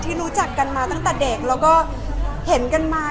รู้จักกันมาตั้งแต่เด็กแล้วก็เห็นกันมา